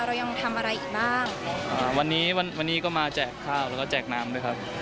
เรายังทำอะไรอีกบ้างอ่าวันนี้วันวันนี้ก็มาแจกข้าวแล้วก็แจกน้ำด้วยครับ